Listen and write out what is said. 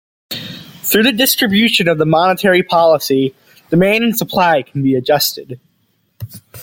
Through the distribution of the monetary policy, demand and supply can be adjusted.